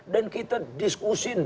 dan kita diskusi